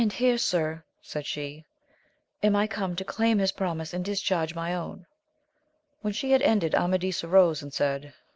173 here, sii*, said she, am I come to claim his promise, and discharge my own. When she had ended, Amadis arose and said.